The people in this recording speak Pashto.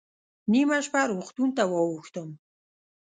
نیمه شپه روغتون ته واوښتم.